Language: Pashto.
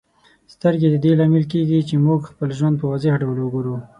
سترګې د دې لامل کیږي چې موږ خپل ژوند په واضح ډول وګورو.